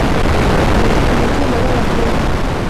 بدي په نېکۍ بدله کړئ.